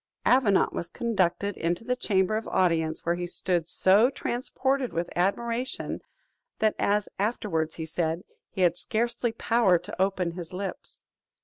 Avenant was conducted into the chamber of audience, were he stood so transported with admiration, that, as he afterwards said, he had scarcely power to open his lips.